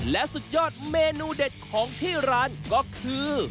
และสุดยอดเมนูเด็ดของที่ร้านก็คือ